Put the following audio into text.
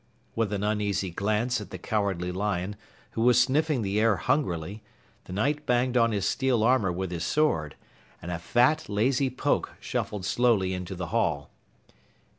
With an uneasy glance at the Cowardly Lion, who was sniffing the air hungrily, the Knight banged on his steel armor with his sword, and a fat, lazy Poke shuffled slowly into the hall.